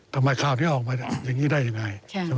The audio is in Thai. ข่าวนี้ออกมาอย่างนี้ได้ยังไง